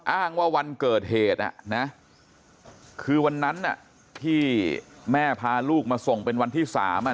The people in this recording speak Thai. อ้างว่าวันเกิดเหตุคือวันนั้นที่แม่พาลูกมาส่งเป็นวันที่๓